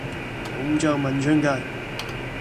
廣州文昌雞